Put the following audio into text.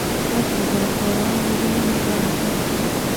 دښته ده ، باران اوري، نګهت اخلي